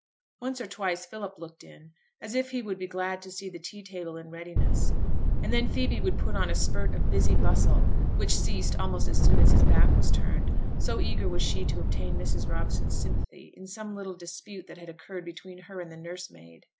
Once or twice Philip looked in, as if he would be glad to see the tea table in readiness; and then Phoebe would put on a spurt of busy bustle, which ceased almost as soon as his back was turned, so eager was she to obtain Mrs. Robson's sympathy in some little dispute that had occurred between her and the nurse maid.